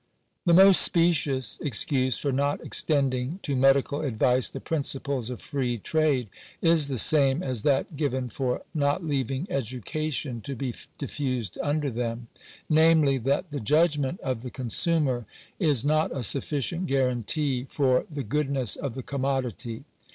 The most specious excuse for not extending to medical ad vice the principles of free trade, is the same as that given for not leaving education to be diffused under them ; namely, that Digitized by VjOOQIC SANITARY SUPERVISION. 377 the judgment of the consumer is not a sufficient guarantee for the goodness of the commodity.